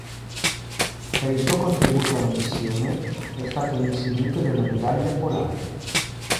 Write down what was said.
Per il suo contributo alla missione è stato insignito della medaglia polare.